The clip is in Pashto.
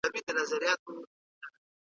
د دغي غونډې ویناوال موږ ته د مننې درس راکړی.